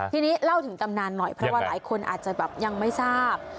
ทีนี้เล่าถึงตำนานหน่อยเพราะว่าหลายคนอาจจะแบบยังไม่ทราบ